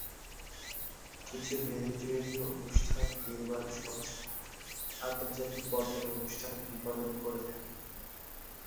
কিছু ভেনেজুয়েলীয় অনুষ্ঠান নির্মাণ সংস্থা আন্তর্জাতিক পর্যায়ে অনুষ্ঠান বিপণন করে থাকে।